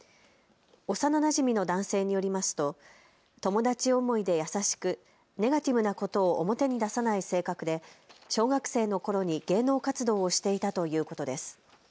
幼なじみの男性によりますと友達思いで優しくネガティブなことを表に出さない性格で小学生のころに芸能活動をしていたということです。